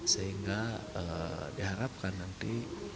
sehingga diharapkan nanti